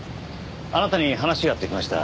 あなたに話があって来ました。